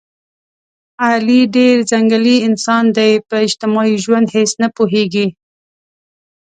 علي ډېر ځنګلي انسان دی، په اجتماعي ژوند هېڅ نه پوهېږي.